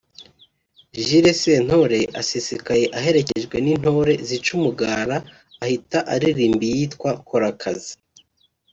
Jules Sentore asesekaye aherekejwe n’intore zica umugara ahita aririmba iyitwa ’Kora akazi’